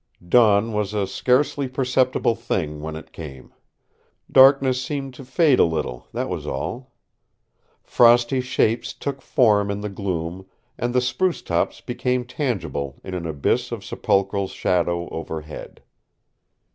Dawn was a scarcely perceptible thing when it came. Darkness seemed to fade a little, that was all. Frosty shapes took form in the gloom, and the spruce tops became tangible in an abyss of sepulchral shadow overhead.